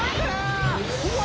うわ！